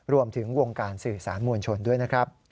รวมถึงวงการสื่อสารมวลชนด้วยนะครับ